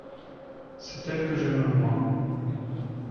C’est elle que j’aime le moins.